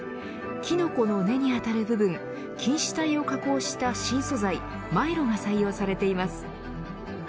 キノコの根に当たる部分菌糸体を加工した新素材マイロが採用されています。